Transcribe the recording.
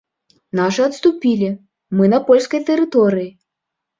Нашы адступілі, мы на польскай тэрыторыі.